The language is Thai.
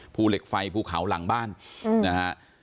ภูเหล็กไฟภูเขาหลังบ้านนะฮะ